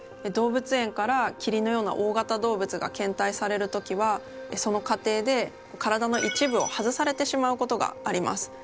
動物園からキリンのような大型動物が献体される時はその過程で体の一部を外されてしまうことがあります。